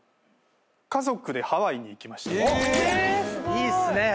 いいっすね。